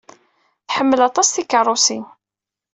Tḥemmel aṭas tikeṛṛusin.